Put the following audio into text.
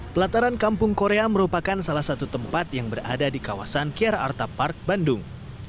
pelataran kampung korea merupakan salah satu tempat yang berada di kawasan kiara arta park bandung